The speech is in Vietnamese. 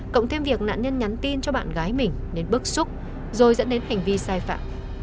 cộng thêm việc nạn nhân nhắn tin cho bạn gái mình nên bức xúc rồi dẫn đến hành vi sai phạm